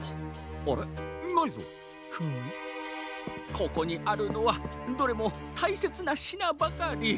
ここにあるのはどれもたいせつなしなばかり。